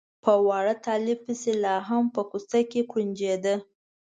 په واړه طالب پسې لا هم په کوڅه کې کوړنجېده.